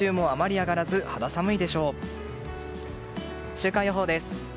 週間予報です。